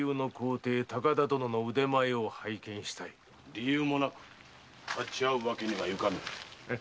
理由もなく立ち合うわけにはゆかぬ。